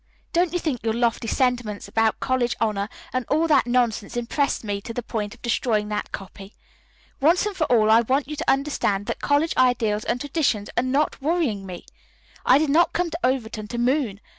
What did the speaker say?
Don't think your lofty sentiments about college honor and all that nonsense impressed me to the point of destroying that copy. Once and for all I want you to understand that college ideals and traditions are not worrying me. I did not come to Overton to moon.